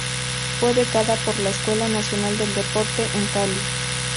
Fue becada por la Escuela Nacional del Deporte, en Cali.